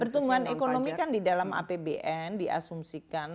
pertumbuhan ekonomi kan di dalam apbn diasumsikan